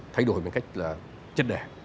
thay đổi bằng cách là chất đẻ